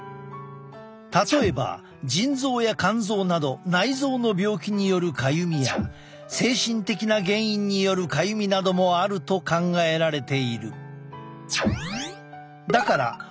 例えば腎臓や肝臓など内臓の病気によるかゆみや精神的な原因によるかゆみなどもあると考えられている。